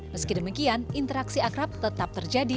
meski demikian interaksi akrab tetap terjadi